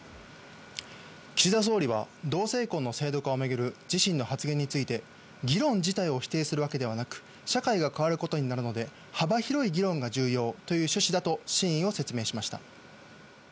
岸田総理は同性婚の制度化を巡る自身の発言について、議論自体を否定するわけではなく、社会が変わることになるので幅広い議論が重要という趣旨だと真意を説明しました。